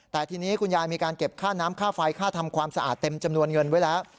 แต่ทีนี้คุณยายมีการเก็บค่าน้ำค่าไฟค่าทำความสะอาดเต็มจำนวนเงินไว้แล้ว